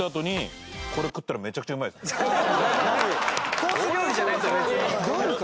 コース料理じゃないんですよ